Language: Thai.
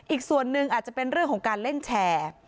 อีกส่วนหนึ่งอาจจะเป็นเรื่องของการเล่นแชร์